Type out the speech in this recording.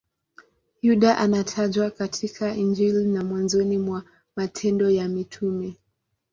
Yuda anatajwa katika Injili na mwanzoni mwa Matendo ya Mitume.